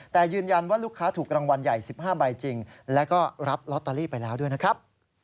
แต่ยืนยันว่าลูกค้าถูกรางวัลใหญ่๑๕ใบจริงแล้วก็รับลอตเตอรี่ไปแล้วด้วยนะครับ